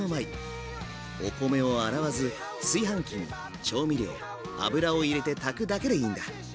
お米を洗わず炊飯器に調味料油を入れて炊くだけでいいんだ。